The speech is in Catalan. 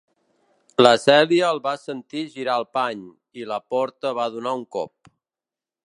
La Cèlia el va sentir girar al pany i la porta va donar un cop.